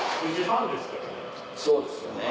そうですよね。